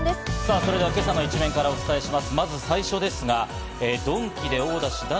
それでは今朝の一面からお伝えします。